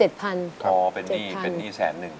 ดอกต่อพี่๗๐๐๐